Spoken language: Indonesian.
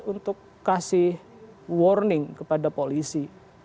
untuk kasih warning kepada polisi